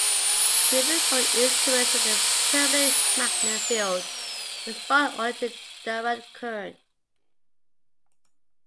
Moving-coil instruments with a permanent-magnet field respond only to direct current.